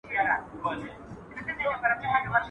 هم ئې سوځي، هم ئې ورکوي.